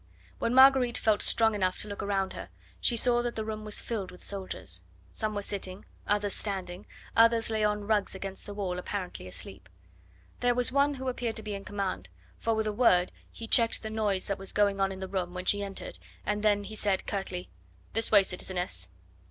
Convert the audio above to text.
When Marguerite felt strong enough to look around her, she saw that the room was filled with soldiers. Some were sitting, others standing, others lay on rugs against the wall, apparently asleep. There was one who appeared to be in command, for with a word he checked the noise that was going on in the room when she entered, and then he said curtly: "This way, citizeness!"